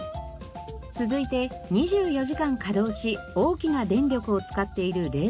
続いて２４時間稼働し大きな電力を使っている冷蔵庫。